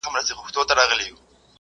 زه بايد سفر وکړم!.